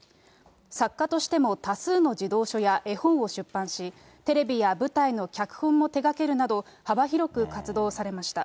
作家としても多数の児童書や絵本を出版し、テレビや舞台の脚本も手がけるなど、幅広く活動されました。